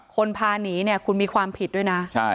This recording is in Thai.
คนพาหนีเนี่ยคุณมีความผิดด้วยนะ